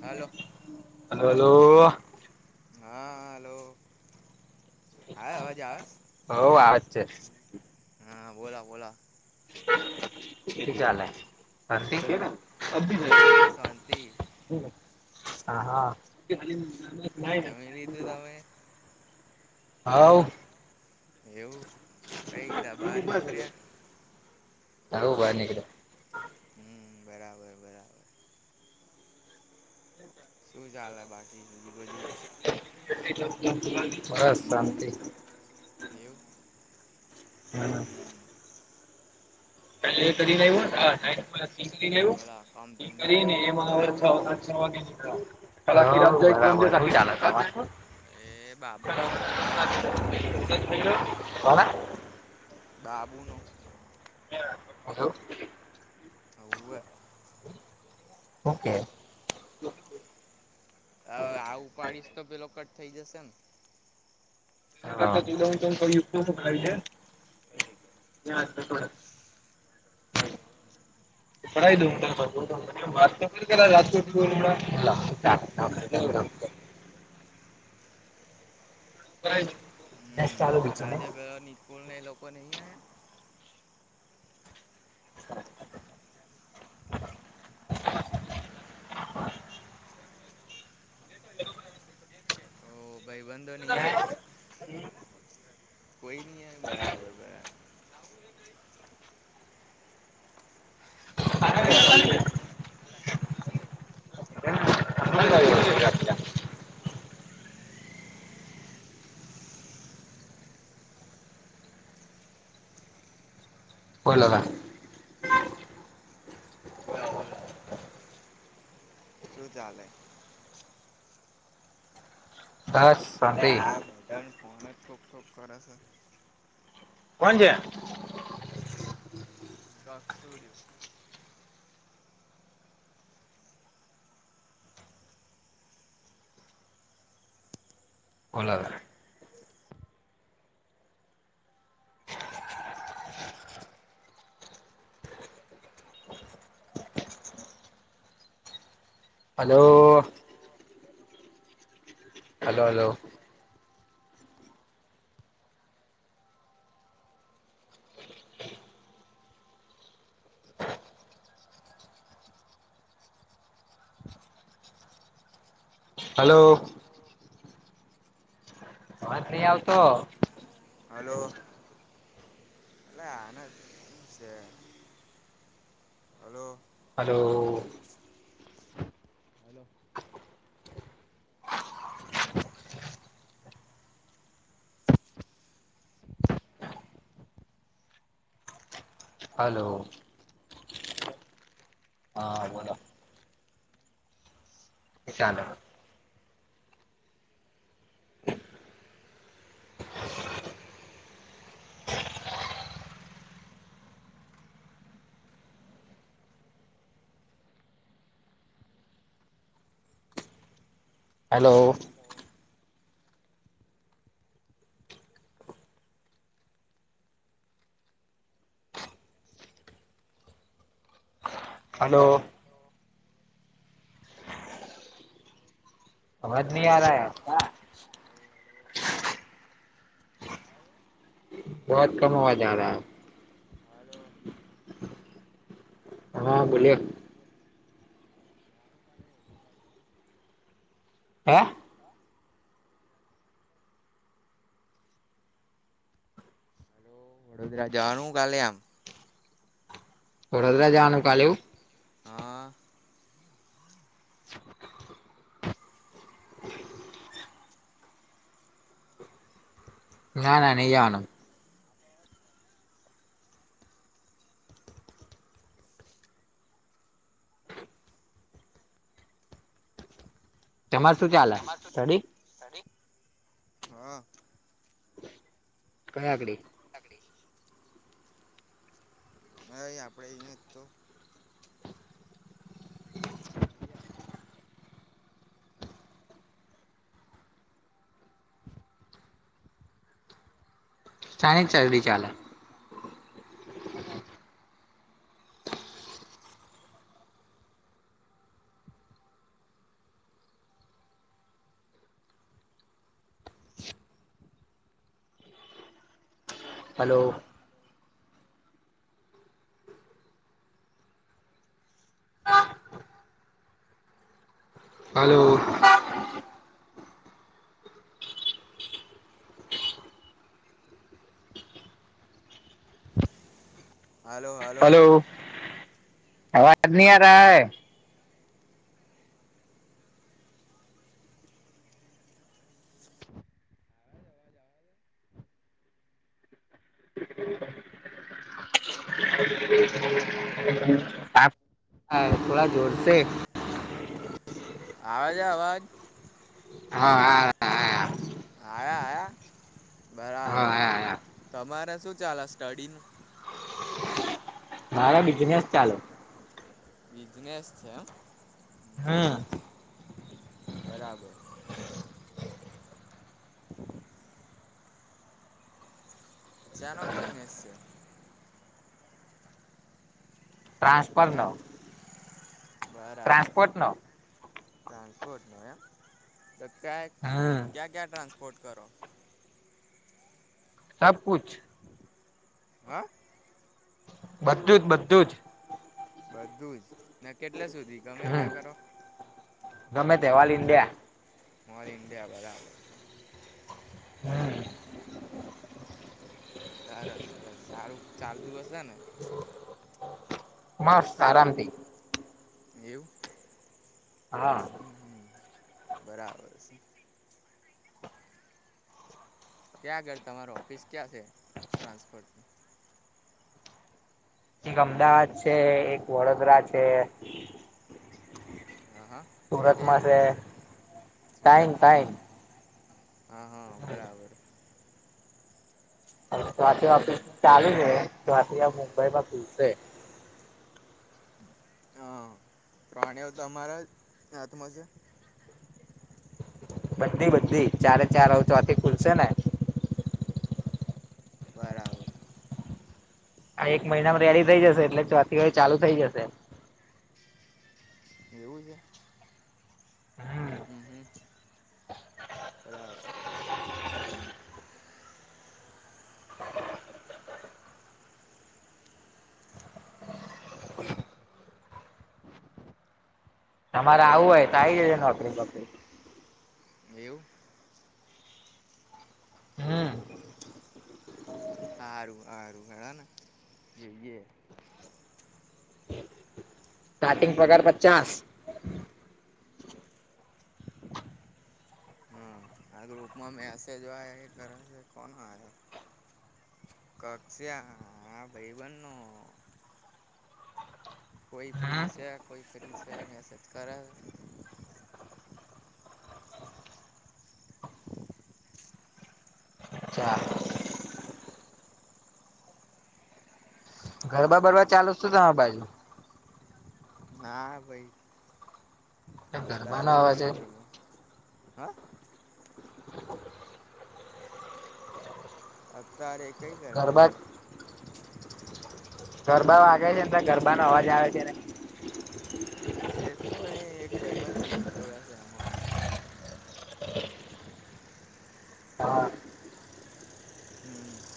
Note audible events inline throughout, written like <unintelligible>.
Hello hello હો હા hello. આવે અવાજ આવે આવાજ છે હા બોલો બોલો. શું ચાલે ભણતી છે ને. શાંતિ અ હા હા. જમી લીધું તમે. હાવ. એવું અહીં કાં બહાર નીકળ્યા. હોવ બાર નીકળ્યા. હમ્મ બરાબર-બરાબર. શું ચાલે બાકી બીજુ બધું. બસ શાંતિ. એવું. હમ્મ. હમ પેલા એ બોલા કરીને કામ ધંધો કેવો આવ્યુ બરાબર <unintelligible> કરીને એમાં. <unintelligible> છ એ બાબુનો વાગે ફોન આવ્યો મારા નીકળ્યા. <unintelligible> <unintelligible> બાબુનુ. હલો. હઉવે. ઓકે. હવે આ ઉપાડીશ તો પેલો કટ થઈ જશે ને. <unintelligible> ખાઈ છે. જા ઝખ મરાવ. <unintelligible> <unintelligible> દશ તાલુ. ગાજે ગયો નઈ નકુલ ને એ લોકો નહીં આયા. <inaudible> <inaudible> ઓ ભાઈબંધંધો નઈ આયા. કોઈ નહી આયુ બરાબર-બરાબર. લાવું હે કંઈ. <unintelligible> <unintelligible> કોલ લગા. વો રાહુલ ને. શું ચાલે.? બસ એટલે શાંતિ આ બધાને ફોન જ ઠોકઠોક કરે છે. કોણ છે? <inaudible> કેમ સુ થયો? ઓલાવે હલો! Hello hello! હલો? અવાજ નહી આવતો? હલો, એલે આને જ છે. Hello, hello! હલો! હલો, હા બોલો? એ ચાલે? હલો! હલો,? સમજ નહી આ રહા હે. હલો હલો હા હા બહુ ક બહ કમ આવા હલો? હા બોલ્યો? જવાનું કડોદરા જવાનું? હે વડોદરા જવાનું હલો વડોદરા જાવાનું કાલે આમ? થોડા વડોદરા જાનું કાલે એવુ? હા નાન નઈ જવાનું. તમારે શું ચાલે સટડી? સટડી હા. કયા કડી? તકડી. અ આપડે અહીં જ તો, નથી આવતો. સાણી ચાડી <inaudible> ચ હલો! હલો! Hello hello? આવાજ નહી આ રા હૈ? <inaudible> હલો આપ થોડા જોરસે આવા છે અવાજ? હા હા આયા આયા હા બરાબર હા હા તમારે શું ચાલે સ્ટડીનુ? મારા બિઝનેસ ચાલે. બિઝનેસ છે હમ એમ હ બરાબર. સેનો બિઝનેસ છે? ટ્રાસફર હે નો બરાબર, ટ્રાન્સપોર્ટ નો ટ્રાન્સપોટનો એમ તો ક્યાંક હમ. ક્યા ક્યા ટ્રાસપોર્ટ કરો. સબ કુછ. હા. બધું જ બધું જ. બધું જ ને કેટલે સુધી ગમે હમ ત્યાં કરો. ગમે તે ઓલ ઈન્ડિયા. ઓલ ઇન્ડિયા બરાબર હમ હમ. સરસ સરસ સારું ચાલતું હશે ને. મસ્ત આરામથી. એવું. હા. હ બરાબર છે. ક્યાં ઘર તમારો ઓફિસ ક્યાં છે ટ્રાન્સફટ. એક અમદાવાદ છે એક વડોદરા છે. હા હા બે બે ઓફિસ છે ટાઈમ સુરતમાં હો ટાઈમ પણ હા બરાબર. ચોથી હમ ઓફિસ ચાલુ છે ચોથી મુંબઈ માં ખૂલશે. હા પ્રાણીઓ તમારા હાથમાં છે. બધી બધી ચારે ચાર ર ચો આથી ખુલસે ને. બરાબર. એક મહિનામાં રેડી થઈ જશે એટલે ચોથીએ ચાલુ થઈ જશે. એવું છે. હમ હમ બરાબર. તમારે આવું હોય તો આવી જજે નોકરી બોકરી એવું. હમ. હારું હારું હેળો ને જીબીએ. સ્ટાર્ટિંગ પગાર પચાસ. હા આ ગુપૅ મા મેસેજ જો આ કરે એ કોનો આયો. કક્ષાયા આ ભાઈ બનનો. કોઈ ફ્રી હમ છે કોઈ ફ્રી છે મેસેજ કરે. ચા. ગરબા બરબા ચાલુું તમે બાજુ. ના ભાઈ ગરબા નો અત્યારે અવાજ છે ક્યાં ગરબા હા. અત્યારે કઈ ગરવા. ગરબા ગરબા વાગે છે ને ગરબાનો અવાજ આવે છેને. એ તો અહી એક ભાઈબંધ રીલ જોયે છે આમાં. હા હમ <inaudible>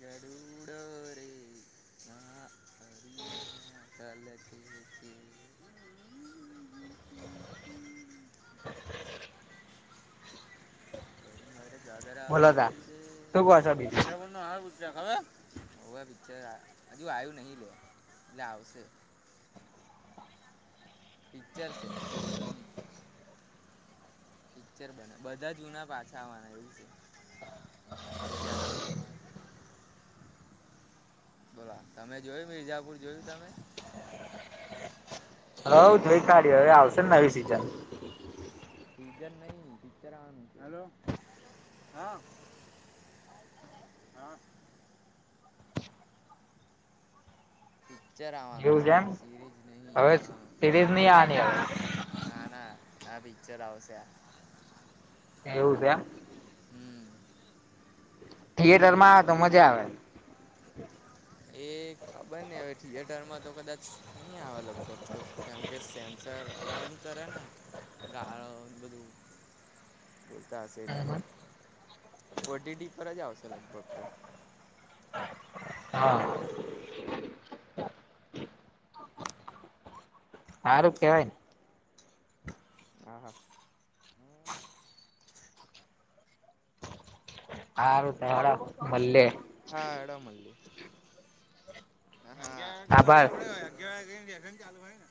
ગરુડ. ચલેથીથી <inaudible> બોલો તા ઘાધરાવાડી રે શું કહો છો બીજું બીજા બોલ. આઉ સે ખબર હે હોવે પિક્ચર આ હજુ આવ્યું નહી લે એટલે આવશે પિક્ચર સે સિરીઝ નહી. પિક્ચર બના બધા જુના પાછા આવવાના એવું છે પેલા સિઝનમાં બોલા તમે જોયું મિરજાપુર જોયું તમે. હ જોઈ કાઢી યે હવે આવશે ને નવી સિઝન. સિઝન નહી પિકચર આવાનુ હલો હા. હા. પિક્ચર આવવાનું એવું છે એમ સિરીઝ નહી હવે હા. સિરીઝ નહી આવાની ના ના આ પિક્ચર આવશે આ. હવે એવું છે એમ. હમ. થિયેટર માં આવે તો મજા આવે. એ ખબર ની હવે થિયેટર માં તો કદાચ ની આવે લગભગ તો. કેમ કે સેન્સર અલાવ ની કરે ને ગાળો ને બધું. બોલતા હશે એટલે આવે ઓટીડી પર જ આવશે લગભગ તો. હા હારું કેવાય ને. આ હા હારું <unintelligible> મળ્યે હા આડ મળ્યે આભાર <unintelligible> <unintelligible> ચાલુ હોયને